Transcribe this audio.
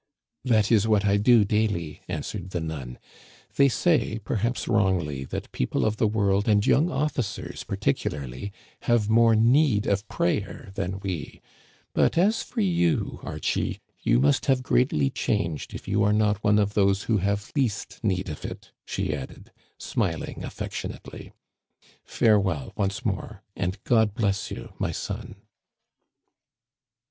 " That is what I do daily," answered the nun. '* They Digitized by VjOOQIC TUE PLAINS OF ABRAHAM, 2II say, perhaps wrongly, that people of the world, and young ofl&cers particularly, have more need of prayer than we ; but as for you, Archie, you must have greatly changed if you are not one of those who have least need of it," she added, smiling affectionately. Farewell once more, and God bless you, my son